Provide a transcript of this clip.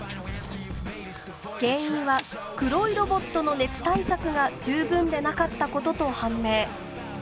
原因は黒いロボットの熱対策が十分でなかったことと判明。